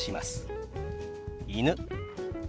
「犬」。